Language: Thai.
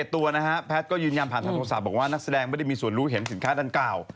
ตัวนะฮะแพทย์ก็ยืนยันผ่านทางโทรศัพท์บอกว่านักแสดงไม่ได้มีส่วนรู้เห็นสินค้าดังกล่าว